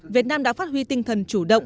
việt nam đã phát huy tinh thần chủ động